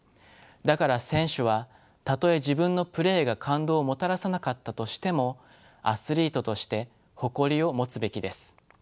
だから選手はたとえ自分のプレーが感動をもたらさなかったとしてもアスリートとして誇りを持つべきです。